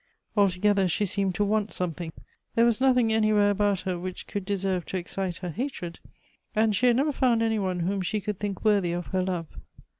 Altogether she seemed to want some thing; there was nothing anywhere about her which could deserve to excite her hatred, and she had never found any one whom she could think worthy of her love.